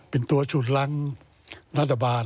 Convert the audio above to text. เป็นตัวฉุดรังรัฐบาล